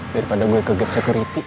daripada gue ke gap security